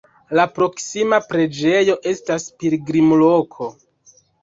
La proksima preĝejo estas pilgrimloko.